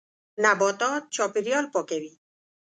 نباتات چاپېریال پاکوي.